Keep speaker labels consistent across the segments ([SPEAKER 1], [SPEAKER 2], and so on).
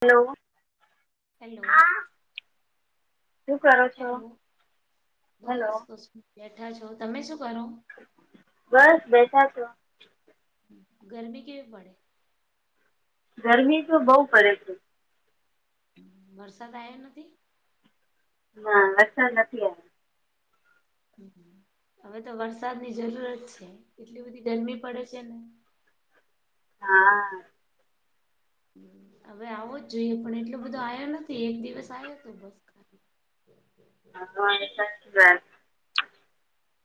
[SPEAKER 1] Hello
[SPEAKER 2] hello
[SPEAKER 1] શું કરો છો
[SPEAKER 2] હેલો
[SPEAKER 1] હેલો
[SPEAKER 2] બસ બેઠા છો તમે શું કરો
[SPEAKER 1] બસ બેઠા છો.
[SPEAKER 2] ગરમી કેવી પડે.
[SPEAKER 1] ગરમી તો બઉ પડે છે.
[SPEAKER 2] વરસાદ આવ્યો નથી.
[SPEAKER 1] હા વરસાદ નથી આયા.
[SPEAKER 2] હવે તો વરસાદની જરૂરત છે, એટલી બધી ગરમી પડે છે, ને
[SPEAKER 1] હા
[SPEAKER 2] હવે આવો જ જોઈએ, પણ એટલો બધો આયો નથી, એક દિવસ આવ્યો હતો, બસ હવે
[SPEAKER 1] હું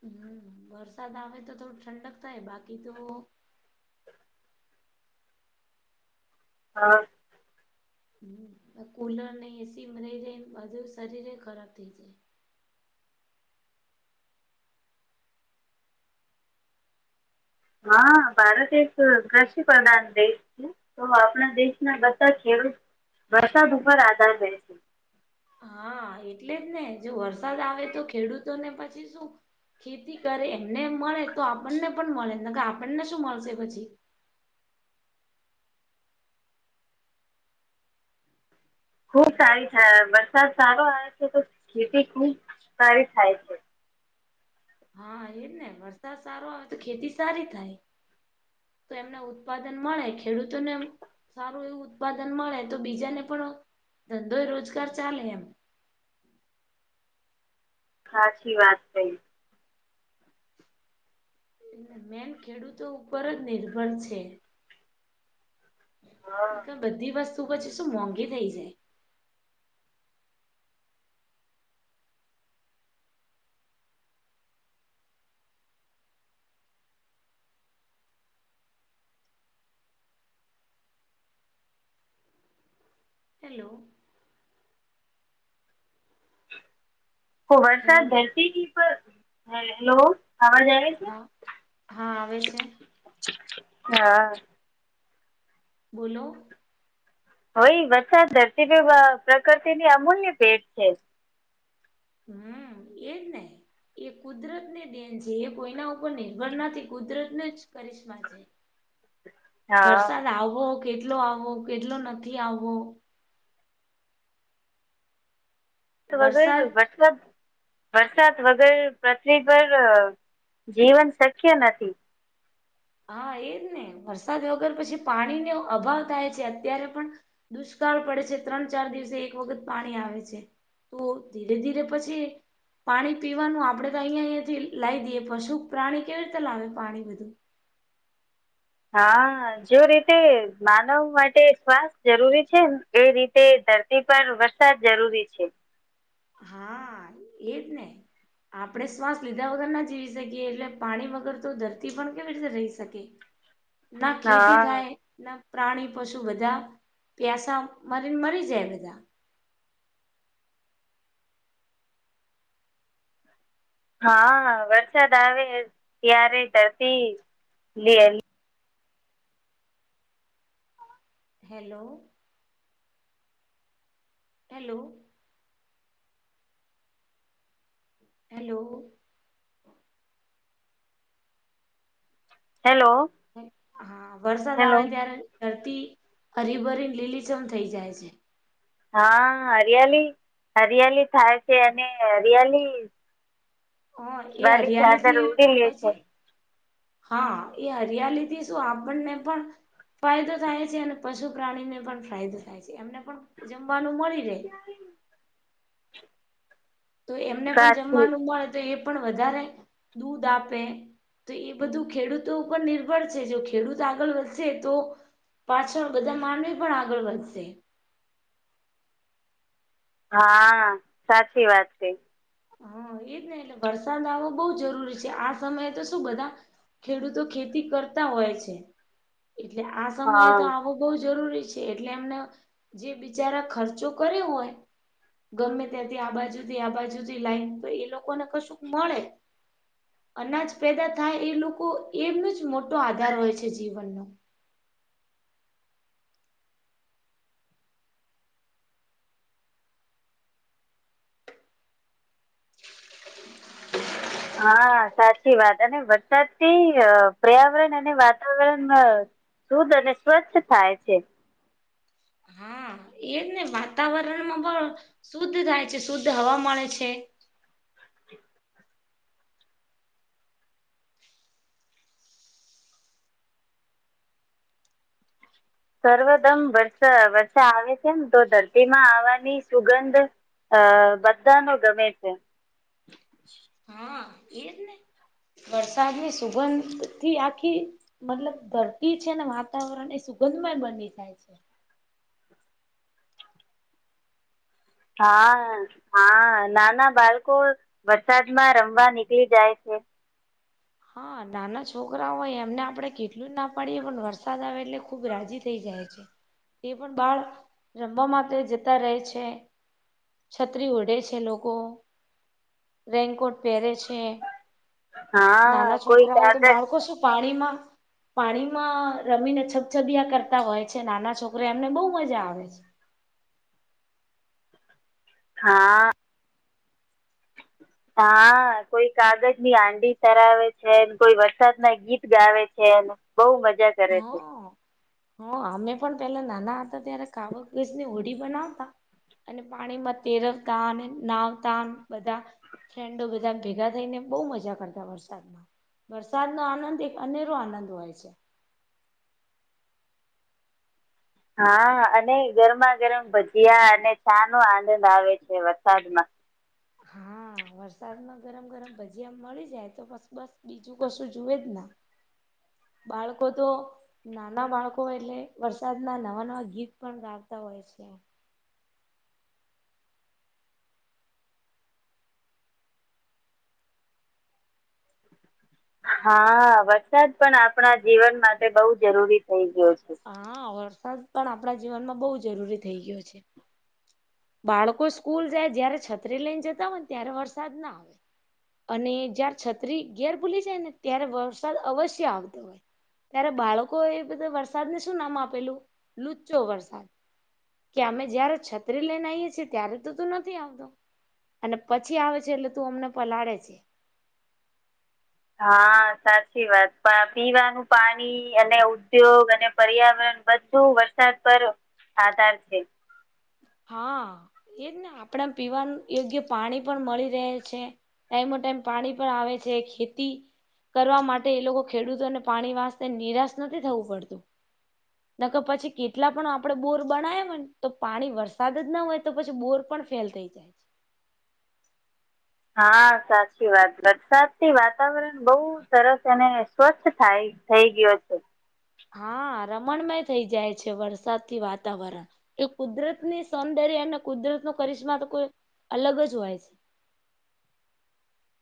[SPEAKER 2] હું વરસાદ આવે તો થોડું ઠંડક થાય બાકી તો,
[SPEAKER 1] હા
[SPEAKER 2] કુલર ને એસીમાં રહી રહીને ને બાજુ શરીર ખરાબ થઇ જાય.
[SPEAKER 1] હા ભારત એક કૃષિ પ્રધાન દેશ છે. તો આપણા દેશના બધા ખેડૂત વરસાદ ઉપર આધાર રહેશે.
[SPEAKER 2] હા એટલે જ ને જો વરસાદ આવે તો ખેડૂતો ને પછી શું. ખેતી કરે એમને મળે તો આપણને પણ મળે કે આપણને શું મળશે પછી.
[SPEAKER 1] ખુબ સારી થાય વરસાદ સારો આવે છે, તો ખેતી ખુબ સારી થાય છે.
[SPEAKER 2] હા એજ ને વરસાદ સારો આવે તો ખેતી સારી થાય. તો એમને ઉત્પાદન મળે ખેડૂતોને, સારું એવું ઉત્પાદન મળે તો બીજાને પણ ધંધો રોજગાર ચાલે એમ,
[SPEAKER 1] સાચી વાત કઈ.
[SPEAKER 2] એટલે મેન ખેડૂતો ઉપર જ નિર્ભર છે. બધી વસ્તુ પછી શું મોંઘી થઇ જાય. હેલો
[SPEAKER 1] તો
[SPEAKER 2] હેલો
[SPEAKER 1] વરસાદ ધરતી પર થાય એટલો થાવા જાય ત્યારે.
[SPEAKER 2] હા હા આવે છે.
[SPEAKER 1] હા
[SPEAKER 2] બોલો.
[SPEAKER 1] હોય વરસાદ ધરતી પ્રકૃતિની અમૂલ્ય ભેટ છે.
[SPEAKER 2] હું એજ ને એ કુદરતને દેન છે, એ કોઈના ઉપર નિર્ભર નથી કુદરતને જ કરિશ્મા જ
[SPEAKER 1] હા
[SPEAKER 2] વરસાદ આવો, કેટલો આવો કેટલો નથી આવવો.
[SPEAKER 1] વગર
[SPEAKER 2] વરસાદ
[SPEAKER 1] વરસાદ બરસાત વગર પૃથ્વી પર, જીવન શક્ય નથી.
[SPEAKER 2] હા એજ ને વરસાદ વગર પછી પાણીનો અભાવ થાય છે, અત્યારે પણ દુષ્કાળ પડે છે, ત્રણ ચાર દિવસે એક વખત પાણી આવે છે. તો ધીરે ધીરે પછી એક. પાણી પીવાનું આપડે તો અહિયાં અયાથી લાવી દઈએ પશુ પ્રાણી કેવી રીતે લાવે પાણી બધું,
[SPEAKER 1] હા જો રીતે માનવ માટે શ્વાસ જરૂરી છે, ને એ રીતે ધરતી પર વરસાદ જરૂરી છે,
[SPEAKER 2] હા એ જ ને. આપણેે શ્વાસ લીધા વગર ના જીવી શકીએ, એટલે પાણી વગર તો ધરતી પણ કેવી રીતે રહી શકે.
[SPEAKER 1] હું
[SPEAKER 2] ના ખેતી થાય. ના પ્રાણી પશુ બધા પ્યાસા મારીને મરી જાય, બધા
[SPEAKER 1] હા વરસાદ આવે ત્યારે ધરતી લીલીછમ
[SPEAKER 2] હેલો. હેલો. હેલો.
[SPEAKER 1] હેલો.
[SPEAKER 2] હા વરસાદ
[SPEAKER 1] હેલો
[SPEAKER 2] આવે ત્યારે ધરતી હરીભરીને લીલીચમ થઈ જાય છે.
[SPEAKER 1] હા હરિયાલી હરિયાલી થાય છે અને હરિયાલી.
[SPEAKER 2] હ એ
[SPEAKER 1] વાલી
[SPEAKER 2] હરિયાળી
[SPEAKER 1] ચાદર
[SPEAKER 2] થી
[SPEAKER 1] ઉડી લે છે
[SPEAKER 2] પછી. હા એ હરિયાલી થી શું આપણને પણ. ફાયદો થાય છે અને પશુ પ્રાણીને પણ ફાયદો થાય છે એમને પણ જમવાનું મળી રહે. તો એમને પણ
[SPEAKER 1] સાચી
[SPEAKER 2] જમવાનું મળે તો એ પણ વધારે દૂધ આપે. તો એ બધું ખેડૂતો ઉપર નિર્ભર છે જો ખેડૂત આગળ વધશે તો. પાછળ બધા માનવી પણ આગળ વધશે.
[SPEAKER 1] હા સાચી વાત છે.
[SPEAKER 2] હા એ્ને એલ્ બરસાદ આવું. બહ જરૂરી છે આ સમયે તો શું બધા ખેડૂતો ખેતી કરતા હોય છે. એટલે આ સમયે
[SPEAKER 1] હા
[SPEAKER 2] તો આવો. બહ જરૂરી છે એટલે એમને જે બિચારા ખર્ચો કર્યો હોય. ગમે ત્યાંથી આ બાજુથી આ બાજુથી લાઈને તો એ લોકોને કશું મળે. અનાજ પેદા થાય એ લોકો એમનું જ મોટો આધાર હોય છે જીવનનો.
[SPEAKER 1] હા સાચી વાત અને વરસાદથી પર્યાવરણ અને વાતાવરણ. શુદ્ધ અને સ્વચ્છ થાય છે.
[SPEAKER 2] હા એજ ને વાતાવરણમાં પણ શુદ્ધ થાય છે શુદ્ધ હવા મળે છે.
[SPEAKER 1] સર્વદમ વર્ષ વર્ષા આવે છે ને તો ધરતીમાં આવવાની સુગંધ. અ બધા ન ગમે છે.
[SPEAKER 2] હા એજ ને વરસાદ ની સુગંધ થી આખી. મતલબ ધરતી છે ને વાતાવરણ એ સુગંધમય બની જાય છે.
[SPEAKER 1] હા હા નાના બાળકો. વરસાદમાં રમવા નીકળી જાય છે.
[SPEAKER 2] હા નાના છોકરા હોય એમને આપડે કેટલું જ ના પાડીએ પણ વરસાદ આવે એટલે ખુબ રાજી થઇ જાય છે. એ પણ બાળ રમવા માટે જતા રહે છે. છત્રી ઉઢે છે લોકો રેનકોટ પહેરે છે.
[SPEAKER 1] હા
[SPEAKER 2] નાના
[SPEAKER 1] કોઈ
[SPEAKER 2] છોકરાઓ તો
[SPEAKER 1] કાગળ
[SPEAKER 2] બાળકો શું પાણીમાં. પાણીમાં રમીને છબછબયા કરતા હોય છે નાના છોકરા એમને બહુ મજા આવે છે.
[SPEAKER 1] હા. હા કોઈ કાગજની આંડી ધરાવે છેને કોઈ વરસાદ ના ગીત ગાવે છે. બઉુ મજા કરે છે.
[SPEAKER 2] હ અમે પણ પેલા નાના હતા ત્યારે કાવસ ની હોડી બનાવતા. અને પાણીમાં તેરવતા અને નાવતા બધા. ફ્રેન્ડો બધા ભેગા થઈને બહુ મજા કરતા વરસાદમાં. વરસાદનોો આનંદ એક અનેરો આનંદ હોય છે.
[SPEAKER 1] હા અને ગરમા ગરમ ભજીયા અને ચા નો આનંદ આવે છે વરસાદમાં.
[SPEAKER 2] હા. વરસાદમાં ગરમ ગરમ ભજીયા મળી જાય તો બસ બસ બીજું કશું જુવે જ ના. બાળકો તો. નાના બાળકો એટલે વરસાદ ના નવા નવા ગીત પણ ગાતા હોય છે.
[SPEAKER 1] હા વરસાદ પણ આપણા જીવન માટે બહુ જરૂરી થઇ ગયો છે.
[SPEAKER 2] હા વરસાદ પણ આપણા જીવનમાં બહુ જરૂરી થઈ ગયો છે. બાળકો સ્કૂલ જાય જય્યારે છત્રી લઈને જતા હોય ને ત્યારે વરસાદ ના આવે. અને જયાર છત્રી ઘેર ભૂલી જાય ને ત્યારે વરસાદ અવશ્ય આવતો હોય. ત્યારે બાળકો એ બધ વરસાદને શું નામ આપેલું લુચો વરસાદ. કે અમે જય્યારે છત્રીસ. લઈનેઈી ત્યારે તો તું નથી આવતો અને પછી આવે છે એટલે તું અમને પલાળે છે.
[SPEAKER 1] હા સાચી વાત પીવાનું પાણી અને ઉદ્યોગ અને પર્યાવરણ. બધું વરસાદ પર આધાર છે.
[SPEAKER 2] હા એજ ને આપણે પીવાનું યોગ્ય પાણી પણ મળી રહે છે. ટાઈમો ટાઈમ પાણી પણ આવે છે, ખેતી કરવા માટે એ લોકો ખેડૂતોને પાણી વાસ નિરાશ નથી થવું પડતું ના કે પછી કેટલા પણ આપડે બોર બનાય હોને તો પાણી વરસે સાદ જ ના હોય તો પછી બોર પણ ફેલ થઈ જાય
[SPEAKER 1] હા સાચી વાત વરસાદ થી વાતાવરણ બહુ સરસ અને સ્વસ્્થ થાય થઈ ગયો છે
[SPEAKER 2] હા રમણમય થઇ જાય છે. વરસાદથી વાતાવરણ એ કુદરત ની સૌંદર્ય અને કુદરત ન કરિશ્મા તો કોઈ અલગ જ હોય છે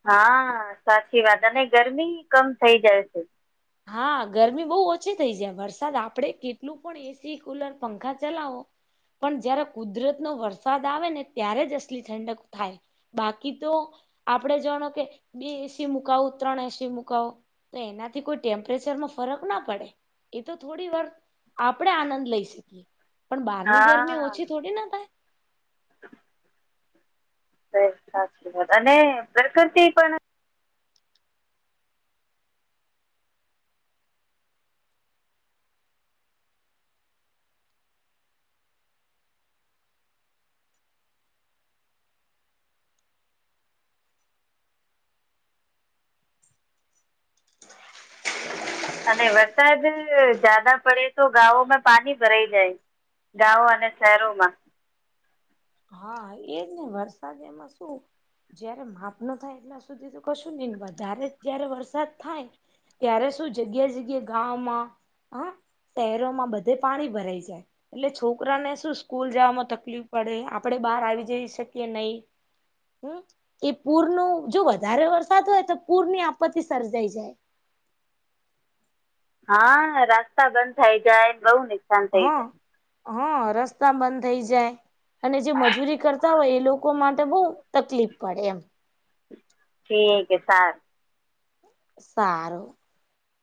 [SPEAKER 1] હા સાચી વાત અને ગરમી કમ થઇ જાય છે
[SPEAKER 2] હા ગરમી બહ ઓછી થઇ જાય વરસાદ આપડે કેટલું પણ એસી કુલર પંખા ચલાવો પણ જય્યારે કુદરતનોો વરસાદ આવે ને ત્યારે જ અસલી ઠંડક થાય બાકી તો આપડણે જાણો કે બે એસી મુકાવું ત્રણ એસી મુકાવો તો એના થી કોઈ ટેમ્પરેચર માં ફરક ના પડે એ તો થોડી વાર આપણે આનંદ લઈ શકીએ પણ બહારની ગરમી
[SPEAKER 1] હા
[SPEAKER 2] ઓછી થોડી ના થાય
[SPEAKER 1] સાચી વાત અને ઘરકર પણ અને વરસાદ જદા પડે તો ગાોમાં પાણી ભરાઈ જાય ગાવો અને
[SPEAKER 2] હા
[SPEAKER 1] શહેરોમાં
[SPEAKER 2] હા એજ ને વરસાદ એમાં શું? જયારે માપ ન થાય એટલા સુધી તો કશું નહીને વધારે જયારે વરસાદ થાય ત્યારે શું જગ્યા જગ્યા ગામમાં હા શહેરોમાં બધે પાણી ભરાઈ જાય એટલે છોકરાને શું સ્કૂલ જમાં તકલીફ પડે આપડે બહાર આવી જઈ શકીએ નહી. હમ એ પૂર ન જો વધારે વરસાદ હોય તો પૂરની આપત્તિ સર્જાઈ જાય
[SPEAKER 1] હા રાસ્તા બંધ થાય જાય એમ બઉુ
[SPEAKER 2] હ હ રસ્તા બંધ થઈ જાય અને જે મજૂરી કરતા હોય એ લોકો માટે બહુ તકલીફ પડે એમ
[SPEAKER 1] ઠીક છે સારું
[SPEAKER 2] સારું